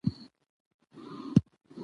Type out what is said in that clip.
په دې اړه يې له کريم سره خبرې وکړې.